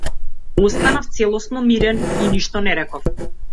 Останав целосно мирен и ништо не реков.